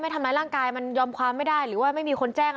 ทำร้ายร่างกายมันยอมความไม่ได้หรือว่าไม่มีคนแจ้ง